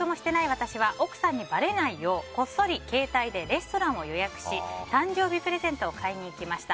私は奥さんにばれないようこっそり携帯でレストランを予約し誕生日プレゼントを買いに行きました。